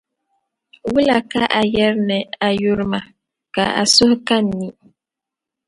Wula ka a yɛri ni a yuri ma ka a suhu ka n ni?